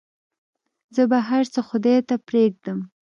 زه به هرڅه خداى ته پرېږدم.